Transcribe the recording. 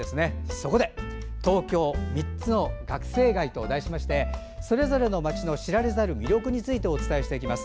そこで「東京３つの学生街」と題しましてそれぞれの街の知られざる魅力についてお伝えしていきます。